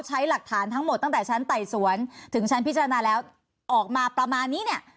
ใช้หลักฐานทั้งหมดตั้งแต่ชั้นไต่สวนถึงชั้นพิจารณาแล้วออกมาประมาณนี้เนี่ย